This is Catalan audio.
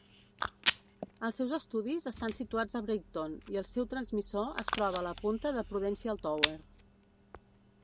Els seus estudis estan situats a Brighton i el seu transmissor es troba a la punta de Prudential Tower.